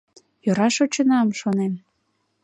Йӧра шочынам, шонем.